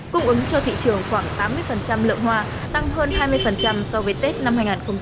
cung ứng cho thị trường khoảng tám mươi lượng hoa tăng hơn hai mươi so với tết năm hai nghìn hai mươi